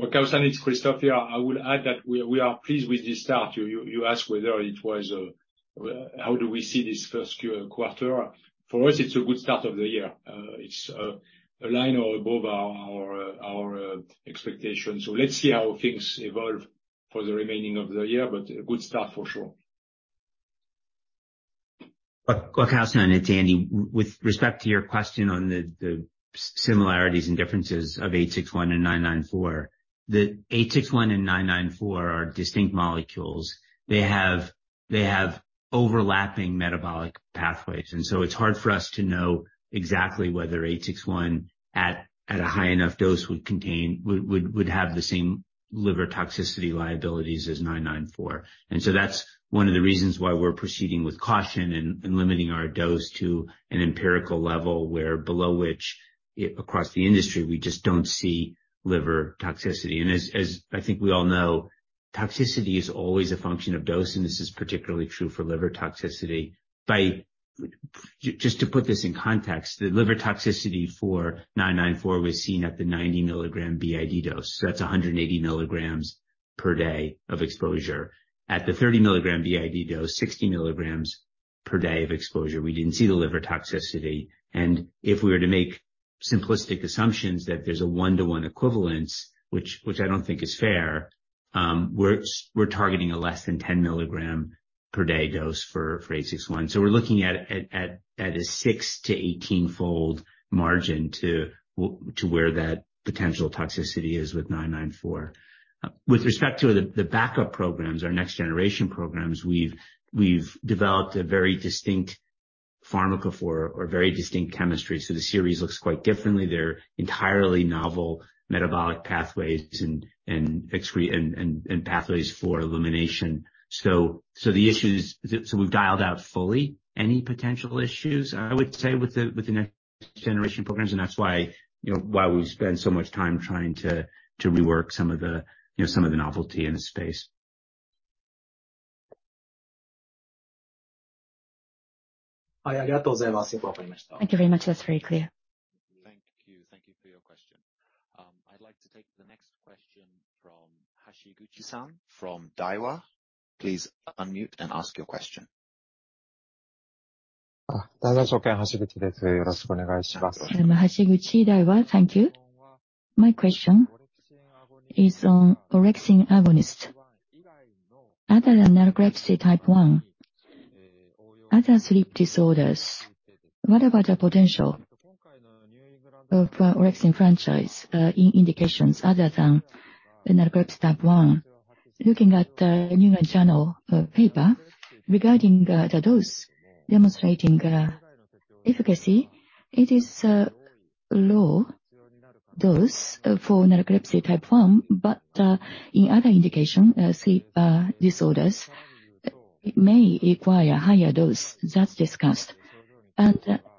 B: Wakao-San, it's Christophe. I will add that we are pleased with this start. You asked whether it was, how do we see this first quarter? For us, it's a good start of the year. It's aligned or above our expectations. Let's see how things evolve for the remaining of the year, but a good start for sure.
C: Wakao-San, it's Andy. With respect to your question on the similarities and differences of TAK-861 and TAK-994, the TAK-861 and TAK-994 are distinct molecules. They have overlapping metabolic pathways, it's hard for us to know exactly whether TAK-861 at a high enough dose would have the same liver toxicity liabilities as TAK-994. That's one of the reasons why we're proceeding with caution and limiting our dose to an empirical level, where below which, across the industry, we just don't see liver toxicity. As I think we all know, toxicity is always a function of dose, and this is particularly true for liver toxicity. Just to put this in context, the liver toxicity for TAK-994 was seen at the 90 mg BID dose, that's 180 mg per day of exposure. At the 30 mg BID dose, 60 mg per day of exposure, we didn't see the liver toxicity. If we were to make simplistic assumptions that there's a 1-to-1 equivalence, which I don't think is fair, we're targeting a less than 10 mg per day dose for TAK-861. We're looking at a 6- to 18-fold margin to where that potential toxicity is with TAK-994. With respect to the backup programs, our next generation programs, we've developed a very distinct pharmacophore or very distinct chemistry, the series looks quite differently. They're entirely novel metabolic pathways and excrete and pathways for elimination. The issues, so we've dialed out fully any potential issues, I would say, with the next generation programs, and that's why, you know, why we've spent so much time trying to rework some of the, you know, some of the novelty in the space.
I: Thank you very much. That's very clear.
A: Thank you. Thank you for your question. I'd like to take the next question from Hashiguchi-san from Daiwa. Please unmute and ask your question.
J: Hashiguchi, Daiwa. Thank you. My question is on orexin agonist. Other than narcolepsy type 1, other sleep disorders, what about the potential of orexin franchise in indications other than narcolepsy type 1? Looking at the new journal paper, regarding the dose demonstrating efficacy, it is a low dose for narcolepsy type 1, but in other indication, sleep disorders, it may require higher dose. That's discussed.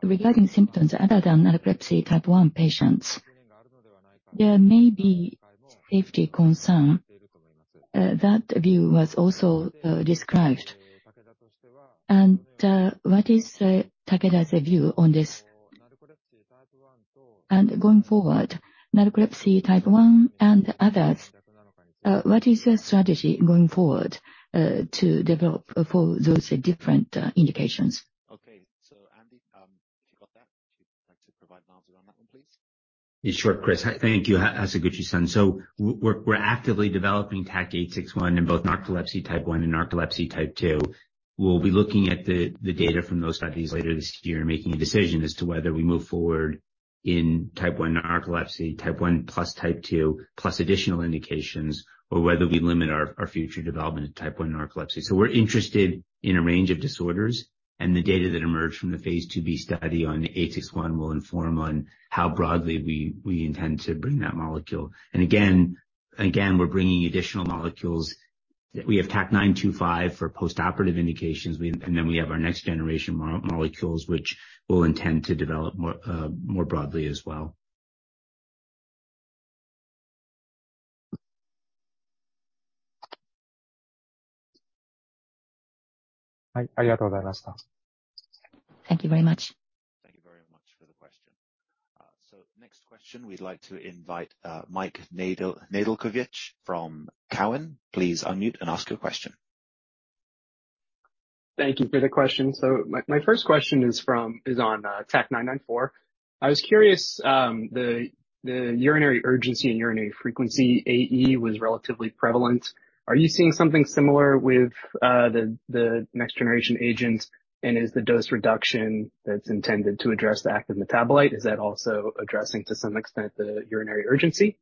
J: Regarding symptoms other than narcolepsy type 1 patients, there may be safety concern. That view was also described. What is Takeda's view on this? Going forward, narcolepsy type 1 and others, what is your strategy going forward to develop for those different indications?
A: Okay. Andy, if you got that, would you like to provide an answer on that one, please?
C: Sure, Chris. Thank you, Hashiguchi-san. We're actively developing TAK-861 in both narcolepsy type 1 and narcolepsy type 2. We'll be looking at the data from those studies later this year and making a decision as to whether we move forward in type 1 narcolepsy, type 1 plus type 2, plus additional indications, or whether we limit our future development to type 1 narcolepsy. We're interested in a range of disorders, and the data that emerged from the phase II B study on 861 will inform on how broadly we intend to bring that molecule. Again, we're bringing additional molecules. We have TAK-925 for postoperative indications, and then we have our next generation molecules, which we'll intend to develop more broadly as well.
J: Thank you very much.
A: Thank you very much for the question. Next question, we'd like to invite, Mike Nedelcovych from Cowen. Please unmute and ask your question.
K: Thank you for the question. My first question is on TAK-994. I was curious, the urinary urgency and urinary frequency AE was relatively prevalent. Are you seeing something similar with the next generation agents, and is the dose reduction that's intended to address the active metabolite, is that also addressing, to some extent, the urinary urgency?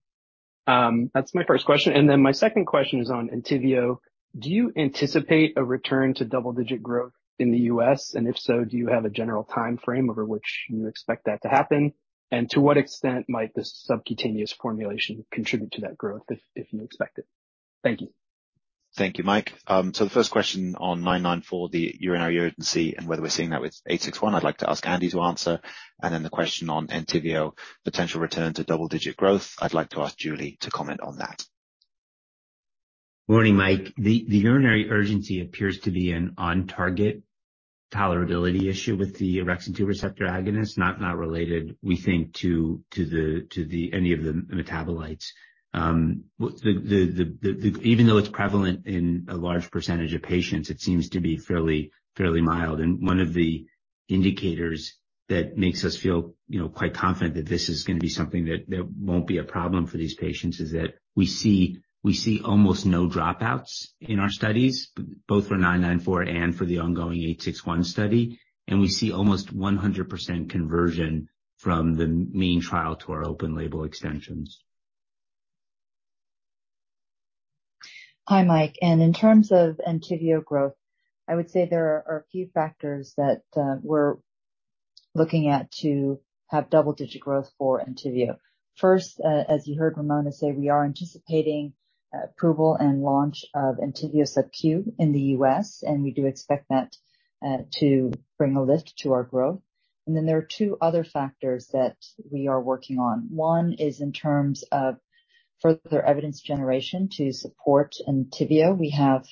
K: That's my first question. My second question is on Entyvio. Do you anticipate a return to double-digit growth in the U.S.? If so, do you have a general timeframe over which you expect that to happen? To what extent might this subcutaneous formulation contribute to that growth if you expect it? Thank you.
A: Thank you, Mike. The first question on TAK-994, the urinary urgency, and whether we're seeing that with TAK-861, I'd like to ask Andy to answer. The question on Entyvio, potential return to double-digit growth, I'd like to ask Julie to comment on that.
C: Morning, Mike. The urinary urgency appears to be an on-target tolerability issue with the orexin receptor 2 agonist, not related, we think, to the metabolites. Even though it's prevalent in a large percentage of patients, it seems to be fairly mild. One of the indicators that makes us feel, you know, quite confident that this is gonna be something that won't be a problem for these patients, is that we see almost no dropouts in our studies, both for 994 and for the ongoing 861 study. We see almost 100% conversion from the main trial to our open label extensions.
G: Hi, Mike. In terms of Entyvio growth, I would say there are a few factors that we're looking at to have double-digit growth for Entyvio. First, as you heard Ramona Sequeira say, we are anticipating approval and launch of Entyvio subQ in the US, and we do expect that to bring a lift to our growth. There are two other factors that we are working on. One is in terms of further evidence generation to support Entyvio. We have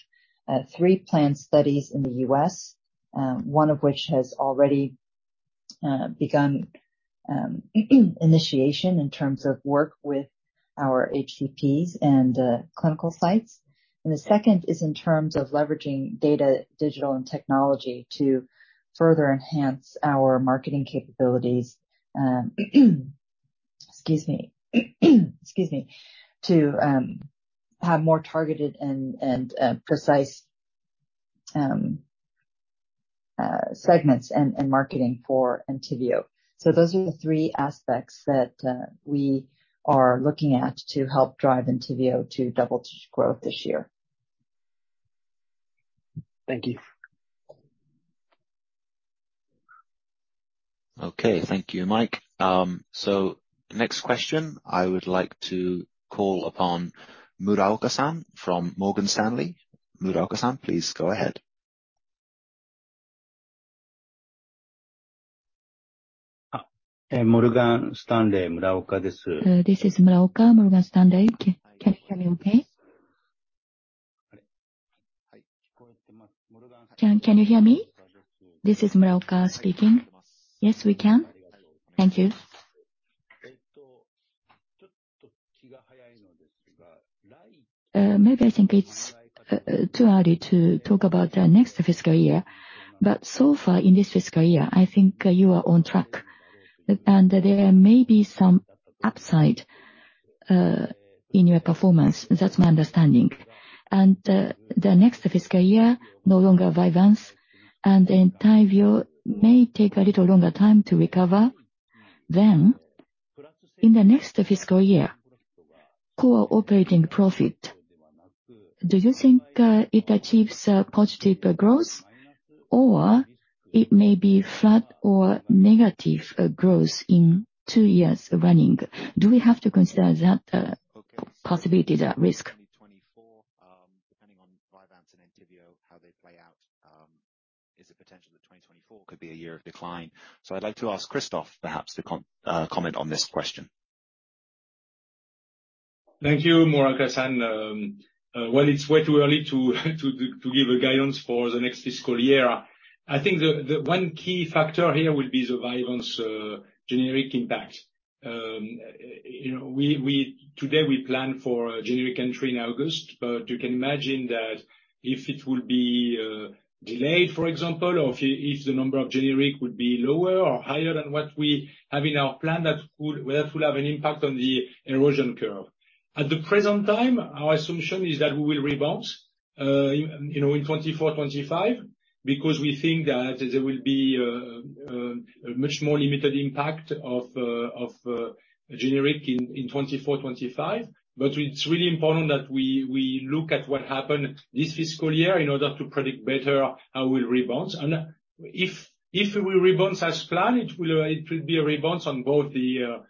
G: three planned studies in the US, one of which has already begun initiation in terms of work with our HTPs and clinical sites. The second is in terms of leveraging data, digital and technology, to further enhance our marketing capabilities. Excuse me. Excuse me. To have more targeted and precise segments and marketing for Entyvio. Those are the three aspects that we are looking at to help drive Entyvio to double-digit growth this year.
K: Thank you.
A: Okay. Thank you, Mike. Next question, I would like to call upon Muraoka-san from Morgan Stanley. Muraoka-san, please go ahead.
L: Morgan Stanley, Muraoka this. This is Muraoka, Morgan Stanley. Can you hear me okay? Can you hear me? This is Muraoka speaking. Yes, we can. Thank you. Maybe I think it's too early to talk about our next fiscal year, but so far, in this fiscal year, I think you are on track, and there may be some upside in your performance. That's my understanding. The next fiscal year, no longer Vyvanse, and Entyvio may take a little longer time to recover. In the next fiscal year, core operating profit, do you think it achieves a positive growth, or it may be flat or negative growth in two years running? Do we have to consider that possibility that risk?...
A: 2024, depending on Vyvanse and Entyvio, how they play out, is the potential that 2024 could be a year of decline. I'd like to ask Christophe perhaps to comment on this question.
B: Thank you, Muraoka-san. Well, it's way too early to give a guidance for the next fiscal year. I think the one key factor here will be the Vyvanse generic impact. You know, today, we plan for a generic entry in August, you can imagine that if it will be delayed, for example, or if the number of generic would be lower or higher than what we have in our plan, that would, well, that will have an impact on the erosion curve. At the present time, our assumption is that we will rebalance, you know, in 2024, 2025, because we think that there will be a much more limited impact of generic in 2024, 2025. It's really important that we look at what happened this fiscal year in order to predict better how we'll rebalance. If we rebalance as planned, it will be a rebalance on both the core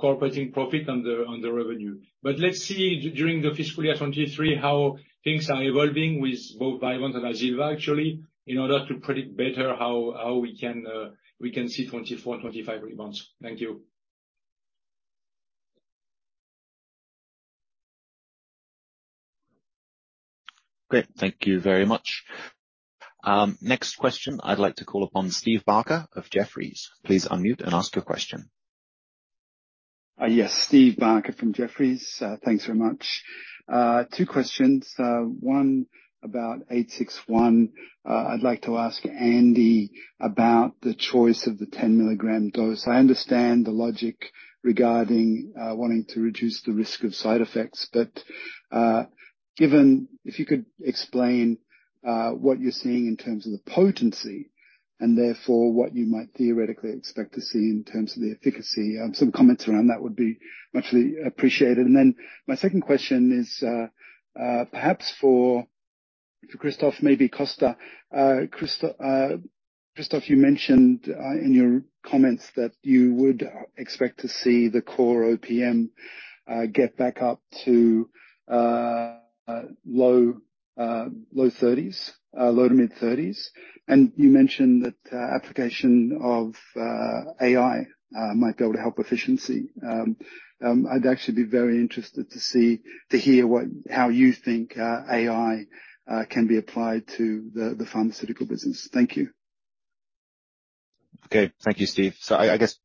B: operating profit on the, on the revenue. Let's see during the fiscal year 2023, how things are evolving with both Vyvanse and Azilva, actually, in order to predict better how we can see 2024, 2025 rebalance. Thank you.
A: Great. Thank you very much. Next question, I'd like to call upon Steve Barker of Jefferies. Please unmute and ask your question.
M: Yes, Steve Barker from Jefferies. Thanks very much. Two questions. One, about TAK-861. I'd like to ask Andy about the choice of the 10-milligram dose. I understand the logic regarding wanting to reduce the risk of side effects, but given, if you could explain what you're seeing in terms of the potency, and therefore, what you might theoretically expect to see in terms of the efficacy. Some comments around that would be muchly appreciated. My second question is perhaps for Christophe, maybe Costa. Christophe, you mentioned in your comments that you would expect to see the core OPM get back up to low 30s, low to mid-30s. You mentioned that application of AI might be able to help efficiency. I'd actually be very interested to hear what, how you think AI can be applied to the pharmaceutical business. Thank you.
A: Okay. Thank you, Steve. I guess,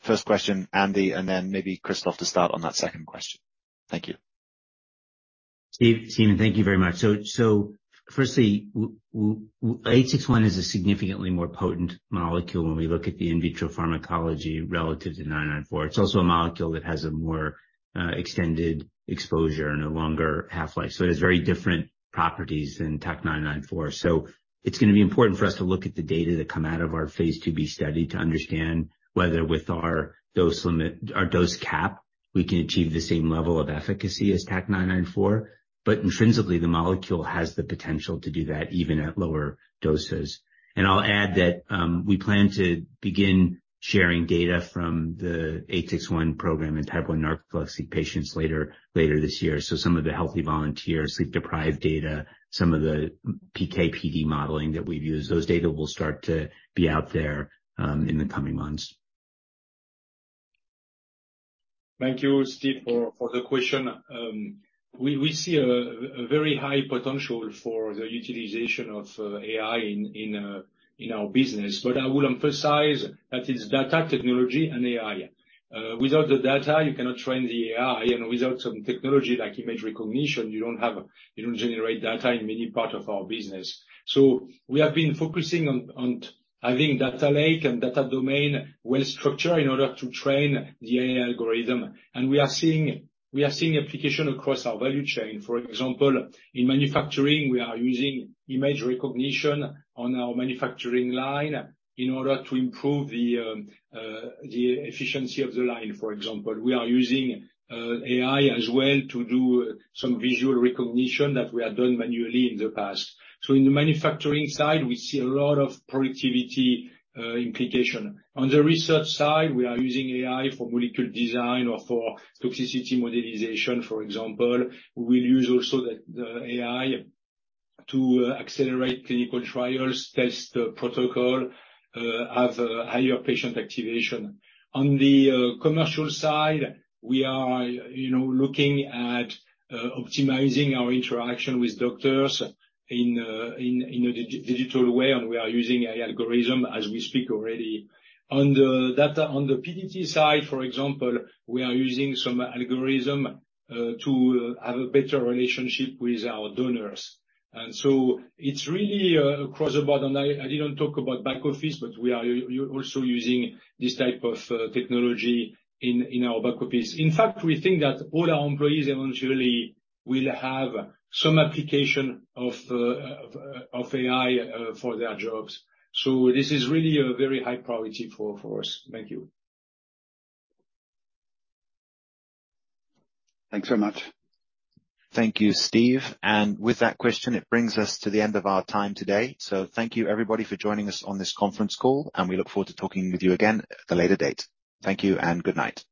A: first question, Andy, maybe Christophe to start on that second question. Thank you.
C: Steve, Steven, thank you very much. Firstly, A six one is a significantly more potent molecule when we look at the in vitro pharmacology relative to 994. It's also a molecule that has a more extended exposure and a longer half-life, it has very different properties than TAK-994. It's going to be important for us to look at the data that come out of our phase II B study to understand whether with our dose limit, our dose cap, we can achieve the same level of efficacy as TAK-994, intrinsically, the molecule has the potential to do that, even at lower doses. I'll add that we plan to begin sharing data from the 861 program in type one narcolepsy patients later this year. Some of the healthy volunteers sleep-deprived data, some of the PKPD modeling that we've used, those data will start to be out there in the coming months.
B: Thank you, Steve, for the question. We see a very high potential for the utilization of AI in our business, but I would emphasize that it's data technology and AI. Without the data, you cannot train the AI, and without some technology like image recognition, you don't generate data in many parts of our business. We have been focusing on having data lake and data domain well-structured in order to train the AI algorithm, and we are seeing application across our value chain. For example, in manufacturing, we are using image recognition on our manufacturing line in order to improve the efficiency of the line, for example. We are using AI as well to do some visual recognition that we have done manually in the past. In the manufacturing side, we see a lot of productivity implication. On the research side, we are using AI for molecule design or for toxicity modelization, for example. We'll use also the AI to accelerate clinical trials, test protocol, have higher patient activation. On the commercial side, we are, you know, looking at optimizing our interaction with doctors in a digital way, and we are using AI algorithm as we speak already. On the data, on the PDT side, for example, we are using some algorithm to have a better relationship with our donors. It's really across the board, and I didn't talk about back office, but we are also using this type of technology in our back office. In fact, we think that all our employees eventually will have some application of AI for their jobs. This is really a very high priority for us. Thank you.
M: Thanks very much.
A: Thank you, Steve. With that question, it brings us to the end of our time today. Thank you, everybody, for joining us on this conference call, and we look forward to talking with you again at a later date. Thank you, and good night.